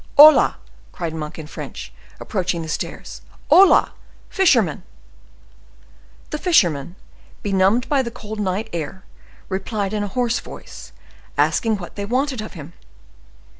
"Hola!" cried Monk in French, approaching the stairs; "hola! fisherman!" The fisherman, benumbed by the cold night air, replied in a hoarse voice, asking what they wanted of him.